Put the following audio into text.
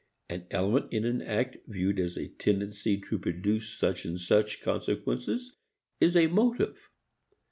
An element in an act viewed as a tendency to produce such and such consequences is a motive.